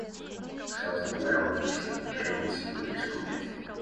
Созданы и работают в штатном режиме институты Республики.